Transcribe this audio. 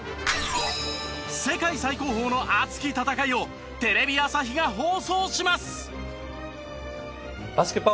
世界最高峰の熱き戦いをテレビ朝日が放送します！